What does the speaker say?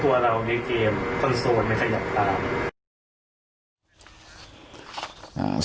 คนโสดมันขยับตาม